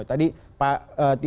tadi pak tito